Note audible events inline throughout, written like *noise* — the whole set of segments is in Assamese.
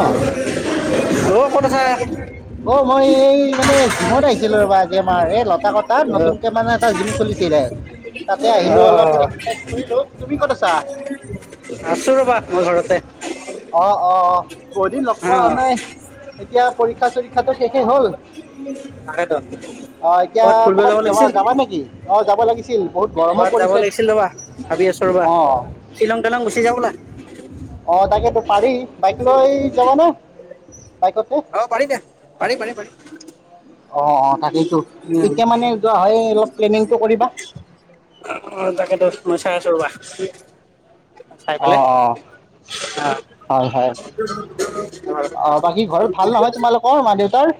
অ অ ক'ত আছা অ মই এই মানে জিমত আহিছিলো ৰবা আজি আমাৰ এই লতা কটাত আহ নতুনকে মানে এটা জিম খুলিছিলে তাতে আহিল অলপ একাৰাইজ কৰিলো তুমি ক'ত আছা আছো ৰবা মই ঘৰতে অ অ অ বহুদিন লগ অ পোৱা হোৱা নাই এতিয়া পৰীক্ষা চ শ শেষেই হল তাকেতো আহ এতিয়া ক'বাত ফুৰিব কৰ'বাত যাব যাবা লাগিছিল যাবা নেকি অ যাব লাগিছিল বহুত গৰমো ক'বাত যাব পৰিছে লাগিছিল ৰবা ভাবি আছো ৰবা অ শ্বিলং তিলং গুচি যাওঁ ব'লা আহ ত পাৰি ল এই যাবা ন অ পাঢ়ি দে পাঢ়ি পাঢ়ি পাঢ়ি থাকেইটো তেতিয়া মানে যোৱা হয় অলপ প্লেনিংটো কৰিবা অ তাকেতো *unintelligible* চাই পালে অঁ অ অঁ হয় হয় অ বাকী ঘৰত ভাল নহয় তোমালোকৰ মা দেউতাৰ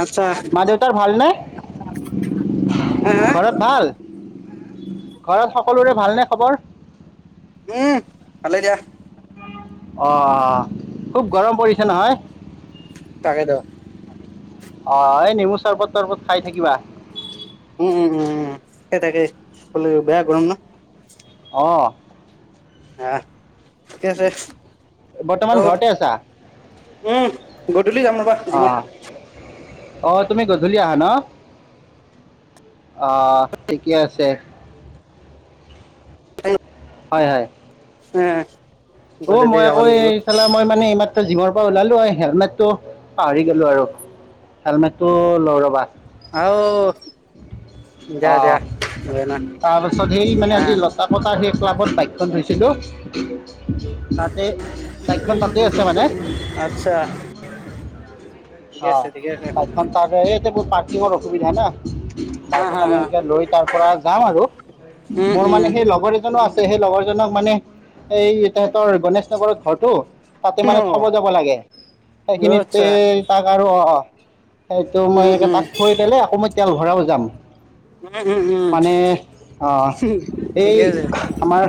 আচ্ছা মা দেউতাৰ ভালনে হা হা ঘৰত ভাল ঘৰত সকলোৰে ভালনে খবৰ উম আলে দিয় অ খুব গৰম পৰিছে নহয় তাকেইটো অ এই নেমু চৰবত তৰবত খাই থাকিবা উম উম উম সেই তাকে বেয়া গৰম ন অঁ আহ ঠিকে আছে বৰ্তমান আৰু ঘৰতে আছা উম গেই গধূলি যাম ৰ'বা অ জিমত অ তুমি গধূলি আহা ন আহ ঠিকে আছে হয় হয় উম অ মই আকৌ এই চালা মই মানে এইমাত্ৰ জিমৰ ওলালো হেলমেটটো পাহৰি গলো আৰু হেলমেটটো লৈ ৰবা আও দিয়া অ দিয়া দিয়া না তাৰপিছত সেই মানে আ আজি লতা পতাৰ সেই। ক্লাবত বাইকখন থৈছিলো। তাতে চাইকেলখন তাতে আছে মানে। আচ্ছা ঠিকে অ আছে ঠিকে আছে তখন পাব ই বোৰ পাৰ্কিঙৰ অসুবিধা ন হা বাইক হা খান হা লৈ তাৰ পৰা যাওঁ আৰু উম মোৰ উম মানে সেই লগৰ এজনো আছে। সেই লগৰজনক মানে এই তাহঁতৰ গনেশ নগৰত ঘৰটো। তাতে অ মানে থব যাব লাগে অ সেইখিনিতে। আচ্ছা অ অ সেইটো মই উম এনেকে উম তাক থৈ পেলাই আকৌ মই তেল ভৰাব যাম উম উম উম মানে অহ এই ঠিকে আছে আমাৰ।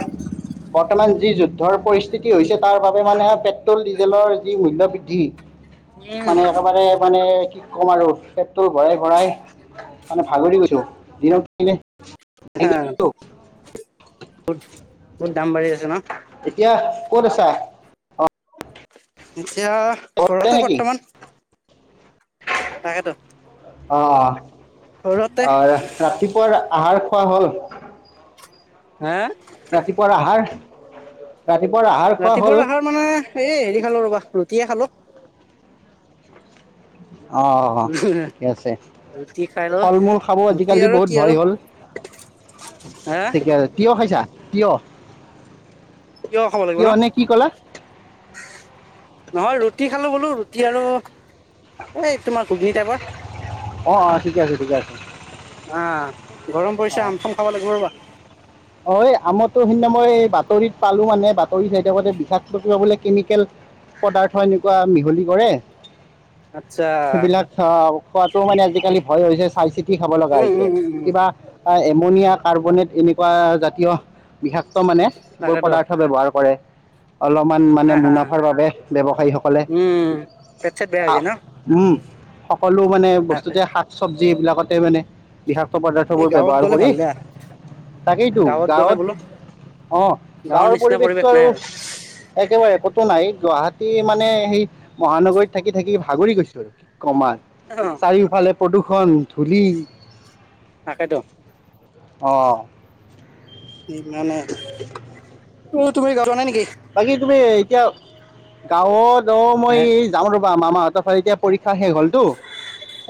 বৰ্তমান যি যুদ্ধৰ পৰিস্থিতি হৈছে তাৰ বাবে মানে পেট্ৰল ডিজেলৰ যি মূল্য বৃদ্ধি। উম মানে একেবাৰে মানে। কি ক'ম আৰু পেট্ৰল ভৰাই ভৰাই মানে ভাগৰি গৈছোঁ দিনক দিনে। হাঁ বহুত দাম বাঢ়ি আছে ন। এতিয়া ক'ত আছা অঁ *unintelligible* এতিয়া ঘৰতে বৰ্তমান। তাকেতো। অ ঘৰতে অ ৰাতিপুৱাৰ আহাৰ। খোৱা হ'ল। হে! ৰাতিপুৱাৰ আহাৰ। ৰাতিপুৱাৰ আহাৰ খোৱা হ'ল ৰাতিপুৱা অহাৰ মানে এই হেৰি খালো ৰবা ৰুটিয়ে খালো। অ অ ঠিকে আছে ৰুটি খাই ল ফল-মূল খাব ৰুটি আজিকালি আৰু বহুত কি আৰু ভয় হ'ল, হা ঠিকে আছে তিয়ঁহ খাইছা। কিয়? তিয়ঁহ খাব লাগিব না নহয় ৰ'দ। ৰুটি খালো বোলো ৰুটি, আৰু এই তোমাৰ কুধিত কেতিয়াবা। অ অ ঠিকে আছে ঠিকে আছে। অহ গৰম পৰিছে আম চাম খাব লাগিব ৰবা। অ আমতো সেইদিনা মই বাতৰিত পালো মানে বাতৰি চাই থাকোতে বিষাক্ত কিবা বোলে কেমিকেল পদাৰ্থ এনেকুৱা মিহলি কৰে। আচ্ছা সেইবিলাক খোৱাতটো মানে আজিকালি ভয় হৈছে। চাইচিত। কি খাব লগা উম হৈছে উম উম উম কিবা। এমনিয়া কাৰ্বনেট এনেক। কুৱা জাতীয়। বিষাক্ত মানে এইবোৰ তাকেতো পদাৰ্থ ব্যৱহাৰ কৰে। অলপমান মানে হা হা মুনাফাৰ ল'লে ব্যৱসায়ীসকলে উম পেট চেট বেয়া হৈ যায় ন উম। সকলো মানে তাকে বস্তুতে শাক চবজি এইবিলাকতে মানে। বিষাক্ত এই পদাৰ্থবোৰ গাঁৱত ব্যৱহাৰ গ'লে কৰি ভাল দিয়া তাকেইতো গাঁৱত গ'লে বোলো গাঁৱত অ গাঁৱৰ নিচিনা পৰিৱেশ পৰিৱেশতটো নাই আৰু একেবাৰে একতো নাই গুৱাহাটী মানে সেই মহানগৰীত থাকি থাকি ভাগৰি গৈছো আৰু কমাই আৰু অ চাৰিওফালে প্ৰদূষণ ধূলি তাকেটো অ কি মানে তুৰ এই গ জ যোৱা নাই নেকি? বাকী তুমি এতিয়া গাঁৱত অ মই হে যাওঁ ৰবা মামাহঁতৰ ফালে এতিয়া পৰীক্ষা পৰীক্ষা শেষ হ'লতো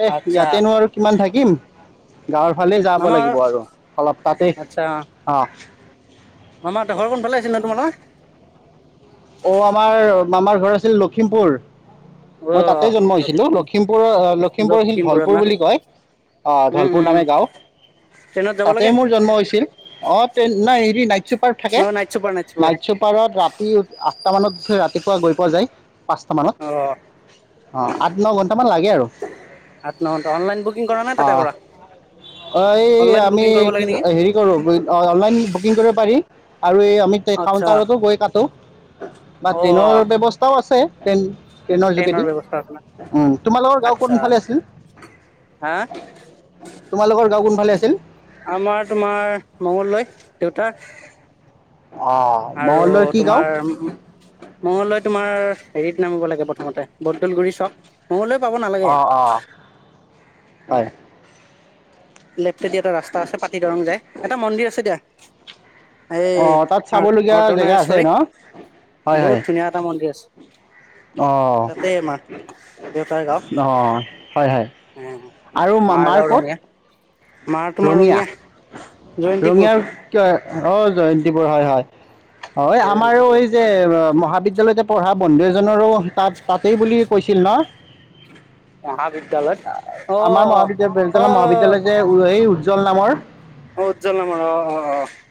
এ আচ্ছা ইয়াতেনো আৰু কিমান থাকিম দিম গাঁৱৰ ফালে যাব মামা লাগিব আৰু অলপ তাতেই আচ্ছা অ মামাহঁতৰ ঘৰ কোনফালে আছিল ন তোমালোকৰ অ আমাৰ মামাৰ ঘৰ আছিল লখিমপুৰ মই তাতে জন্ম হৈছিলো অ লখিমপুৰৰ লখিমপুৰ হৈছিল লখিমপুৰত ধলপুৰ ন বুলি কয় অ উম ধলপুৰ উম নামে গাঁও ট্ৰেইনত যাব তাতে লাগে মোৰ জন্ম হৈছিল অ নাই হেৰি নাইট চুপাৰত থাকে অ নাইট চুপাৰ চুপাৰ নাইট চুপাৰত ৰাতি আঠটা মানত ৰাতিপুৱা গৈ পোৱা যায় পাঁচটামানত অ অ আঠ ন ঘণ্টামান লাগে আৰু আঠ ন ঘণ্টা অনলাইন বুকিং কৰা নে অ তাতে কৰা অ এই অনলাইন আমি বুকিং কৰিব কি লাগে নেকি হেৰি কৰোঁ অনলাইন বুকিং কৰিব পাৰি আৰু এই আমি আচ্ছা কাউণ্টাৰতো গৈ কাটো বা অ ট্ৰেইনৰ ব্যৱস্থাও আছে আছে ট্ৰেইন ট্ৰেইনৰ যোগেদি ব্যৱস্থা আপোনাৰ উম তোমালোকৰ গাঁও আচ্ছা কোনফালে আছিল হা তোমালোকৰ গাঁও কোনফালে আছিল *unintelligible* আমাৰ তোমাৰ মংগলদৈ দেউতা অঁ আৰু মঙলদৈৰ কি গাঁও তোমাৰ মংগলদৈ তোমাৰ হেৰিত নামিব লাগে প্ৰথমতে বদল গুৰি চক মংগলদৈ পাব নালাগে অঁ অঁ হয় লেফ্টেদি এটা ৰাস্তা আছে পাতি দৰং যাই এটা মন্দিৰ আছে দিয়া এই অঁ তাত চাবলগীয়া জেগা আছে অৰ্দনেশ্বৰী ন বহুত ধুনীয়া এটা মন্দিৰ আছে অহ তাতে আমাৰ দেউতাৰ গাঁও অহ হয় হয় উম, আৰু মাৰ মামাৰ গাঁও ক'ত ৰঙীয়া, মাৰ তোমাৰ ৰঙীয়া ৰঙিয়া জয়ন্তীপুৰ। ৰঙিয়াৰ কিয় অ জয়ন্তীপুৰ হয় হয় হয় আমাৰো জয়ন্তীপুৰ এই যে মহাবিদ্যালয়তে পঢ়া বন্ধু এজনৰো তাত তাতেই বুলি কৈছিল ন মহাবিদ্যালয়ত আমাৰ অ', অ', মহাবিদ্য়তা অ', মহাবিদ্য়ালয় যে উজ্জ্বল নামৰ উজ্জ্বল নামৰ অ', অ',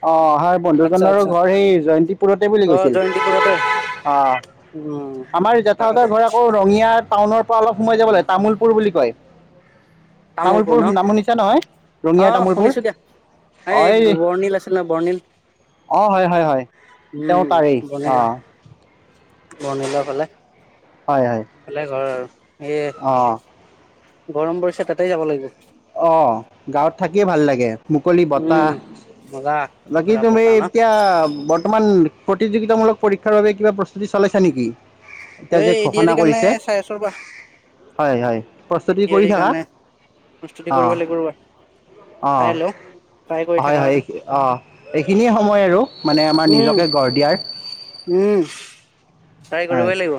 অ অহাৰ আচ্ছা বন্ধুজনৰো আচ্ছা ঘৰ সেই জয়ন্তীপুৰতে বুলি অ', গৈছিল জয়ন্তীপুৰতে অ উম, আমাৰ জেঠাহঁতৰ তাকেতো ঘৰ আকৌ ৰঙিয়াত টাউনৰ পৰা অলপ সোমাই যাব লাগে তামুলপুৰ বুলি কয় তামোলপুৰ তামলপুৰ ন নাম শুনিছে নহয় অ ৰঙিয়াৰ তামোলপুৰ শুনিছো দিয়া এই বৰ্ণিল আছিল ন বৰ্ণিল অ হয় হয় হয় তেওঁ তাৰেই উম বৰ্ণিল অ বনিলে ঘৰলে ফালে ঘৰ আৰু এই অহঁ গৰম পৰিছে তাতে যাব লাগিব অ গাঁৱত থাকিয়ে ভাল লাগে মুকলি উম, বটাাহ মজা বাকী পুৰা তুমি বতাহ ন এতিয়া বৰ্তমান প্ৰতিযোগিতামূলক পৰীক্ষাৰ বাবে কিবা প্ৰস্তুতি চলাইছা নেকি এতিয়া এই যে এ ডি আৰ ঘোষণা ই কাৰণে কৰিছে চাই আছো ৰ'বা হয় হয় প্ৰস্তুতি কৰি এতিয়াৰে থাকা কাৰণে প্ৰস্তুতি অ কৰিব লাগিব ৰ'বা অ চাই লওঁ ট্ৰাই কৰি হয় থকা হয় এই অ এইখিনিয়ে সময় আৰু মানে আমাৰ উম নিজকে গঢ় দিয়াৰ উম ট্ৰাই হয় কৰিবই লাগিব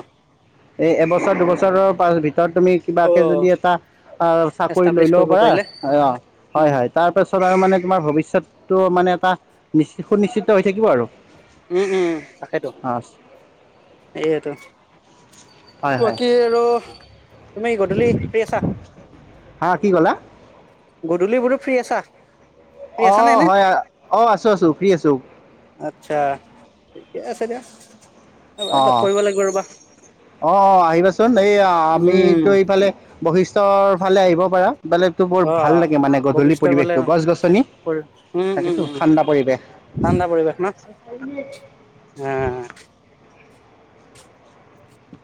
এই এবছৰ দুবছৰৰ পাছ ভিতৰত তুমি অ কিবাকে যদি এটা চাকৰি লৈ এষ্টাব্লিছ ল'ব কৰিব পাৰা পাৰিলে অ অ হয় উম হয় তাৰপাছত আৰু মানে তোমাৰ ভৱিষ্যয়ত ত মানে এটা নি সুনিশ্চিত হৈ থাকিব আৰু উম উম উম তাকেইতো অ', সয়েতো হয়, হয়। বাকী আৰু তুমি গধূলি ফ্ৰ্ৰী আছা হা কি কলা গধূলিবোৰো ফ্ৰী আছা ফ্ৰী অ আছা নে এনে হয় অ আছো আছো ফ্ৰী আছো চা থিকে আছে দে অ অ অ আহিবাচোন এই উম আমিতো এইফালে বহি তৰ ভালে আহিব পাৰা বেলেগতটো বৰ অ ভাল লাগে মানে গধূলি বশিষ্ঠৰ ফালে পৰিৱেশটো গছ গছনি উম উম তাকেতো উম ঠাণ্ডা পৰিবেশ ঠাণ্ডা পৰিৱেশ ন অ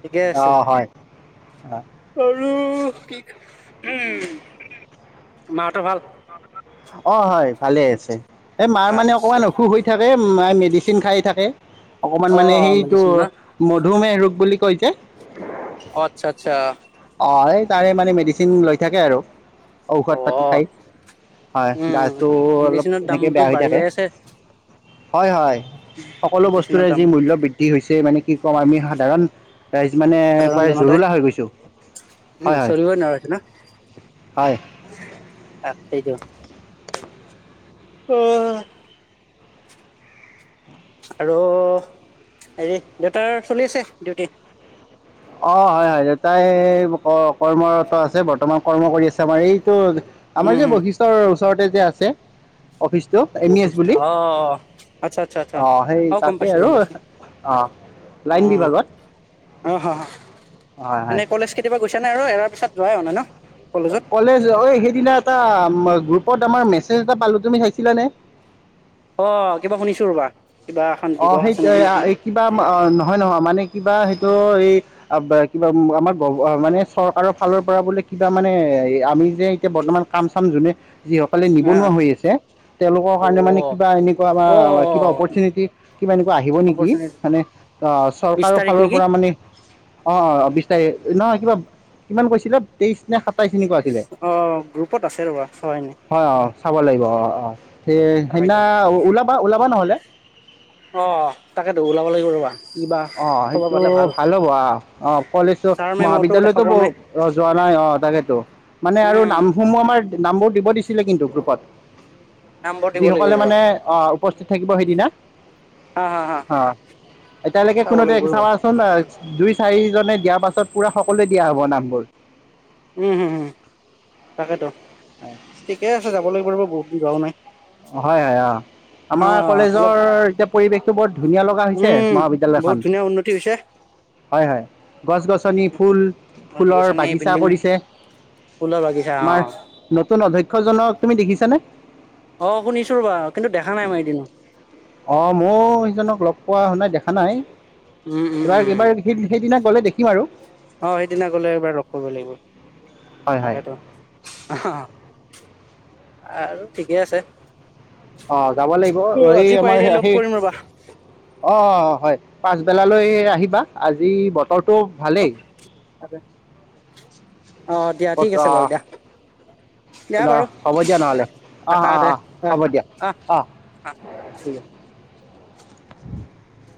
ঠিকে অ আছে হয় আৰু কি উ মা সত ভাল অ হয় ভালে আছে এই মাৰ মানে অকমান আচ্ছা অসুখ হৈ থাকে ম মেডিচিন খাই থাকে অকমান অ মানে সেইটো মেডিচিন না ম ধুমহ ৰোগ বুলি কৈছে অ আচ্ছা আচ্ছা অ এই তাৰে মানে মেডিচিন লৈ থাকে আৰু অ ঔষধ পাতি খাই হয় উম গাজটো অলপ মেডিচিনৰ এনেকেই দামটো বেয়া হৈ বাঢ়ি থাকে যাই আছে হয় হয় সকলো মেডিচিনৰ বস্তুৰে দাম যি মূল্য বৃদ্ধি হৈছে মানে কি ক'ম আমি সাধাৰণ ৰাইজ মানে সাধাৰণ একবাৰ জনতাই জৰুলা হৈ গৈছোঁ হয় চলিবই নোৱাৰা হৈছে ন হয় হয় তাক সেইটো অ আৰু হেৰি দেউতাৰ চলি আছে ডিউটি অ হয় হয় দেউতাই কৰ্মৰত আছে বৰ্তমান কৰ্ম কৰি আছে আমাৰ এইটো আমাৰ উম যে উম বৈশিষ্টৰ চৰ্টেজে আছে অফিচটো এম ই এছ বশিষ্ঠ বুলি অ আচ্ছা আচ্ছা আচ্ছা অ সেই অ গম তাতে পাইছো আৰু গম পাইছো অ লাইন উম বিভাগত অ হ হয় হয় এনে কলেজ কেতিয়াবা গুছা নাই আৰু এৰা পিছত যোৱাই হয় নই ন কলেজত কলেজ অ সেইদিনা এ গ্ৰুপত আমাৰ মেছেজ এটা পালো তুমি চাইছিলানে অ কিবা শুনিছো ৰবা কিবা এখন অ', দিৱস সেই আছে নেকি সেয়া নেকি কিবা মানৰ, হয়-নহয় মানে কিবা সেইটো, এই কিবা আমাৰ মানে চৰকাৰৰ ফালৰ পৰা বোলে কিবা মানে আমি যে এতিয়া বৰ্তমান কাম-চাম যোনে যিসকলে হা নিবনুৱা হৈ আছে, তেওঁলোকৰ অ কাৰণে মানে কিবা এনেকুৱা বা, অ অ কিবা অপৰচুনিটি কিবা এনেকুৱা আহিব নেকি? অপৰচুনিটি মানে অ', বিশ চৰকাৰৰ তাৰিখ ফালৰ নেকি পৰা মানে অ', অ', তায়ে, নহয় কিবা, কিমান কৈছিলা? তেইশ নে সাত আটাইখিনিকো আঁকিলে অ গ্ৰুপত আছে ৰ'বা নে হয় অ', চাব লাগিব। অ', অ', সেই, সেইদিনা তাকেইতো ওলাবা-ওলাবা নহ'লে, অ', তাকেতো ওলাব লাগিব ৰ'বা। কিবা অ', খবৰ সেইটো পালে ভাল হ'ব, আহ', অ', কলেজো ছাৰ মেমহতো দেখা মহাবিদ্যালয়তো পোৱা বহু নাই যোৱা নাই অ', তাকেইতো মানে আৰু উম নামসমূহ আমাৰ নামবোৰ দিব দিছিলে কিন্তু গ্ৰুপত। নামবৰ দিব লাগিব যিসকলে মানে অহ', উপস্থিত থাকিব সেইদিনা। আহ', হা-হা অ' এতিয়ালৈকে চাবা চোন অ অ দুই-চাৰিজনে দিয়াৰ পাছত পুৰা সকলোৱে দিয়া হব নামবোৰ। উম হম হম তাকেতো ঠিকে আছে যাব লাগিব ৰবা বহুত, যোৱাও নায়। হয়', -হয়', অ', আমাৰ অলপ কলেজৰ এতিয়া পৰিৱেশ ত বোৰ ধুনীয়া লগা হৈছে উম বহুত মহাবিদ্যালয়খন, ধুনীয়া উন্নতি হৈছে হয়', - হয়', গছ-গছনি, ফুল- গছ ফুলৰ গছনি বাগিচা বিল্ডিং কৰিছে, ফুলৰ বাগিচা আমাৰ অ নতুন অধ্যক্ষ শিক্ষজনক তুমি দেখিছানে? অ', শুনিছো ৰবা, কিন্তু দেখা নাই মই এদিনো অ', মই সিজনক লগ পোৱা হনাই, দেখা নাই উম উম এইবাৰ উম। -এইবাৰ সেই সেইদিনা, গ'লে দেখিম আৰু, অ', সেইদিনা গলে এবাৰ লগ কৰিব লাগিব। হয় হয় তাকেইতো অহ', আৰু ঠিকেই আছে। অ', যাব লাগিব এৰি আজি আমাৰ পাৰিলে লগ সেই কৰিম ৰ'বা। অহ', -অহ', হয়',। পাচবেলালৈ আহিবা। আজি ব তোৰটো ভালেই? আৰে, আহ', দিয়া বাৰু হ'ব দিয়া নহ'লে, আহ', থাকা - আহ', দে - আহ', হ'ব দিয়া আহ। অহ', থিক আছে। *unintelligible*